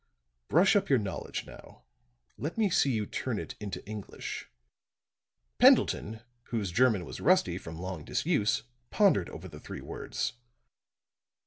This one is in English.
Brush up your knowledge now; let me see you turn it into English." Pendleton, whose German was rusty from long disuse, pondered over the three words.